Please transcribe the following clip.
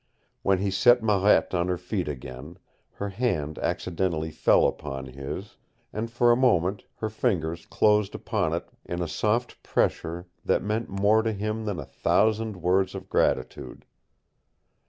When he set Marette on her feet again, her hand accidentally fell upon his, and for a moment her fingers closed upon it in a soft pressure that meant more to him than a thousand words of gratitude.